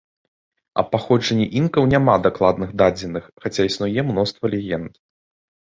Аб паходжанні інкаў няма дакладных дадзеных, хаця існуе мноства легенд.